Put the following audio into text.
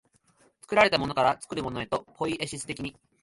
作られたものから作るものへと、ポイエシス的に、